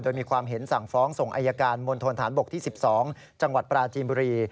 โดยมีความเห็นสั่งฟ้องส่งอายการมณฑนฐานบกที่๑๒จังหวัดปราจีนบุรี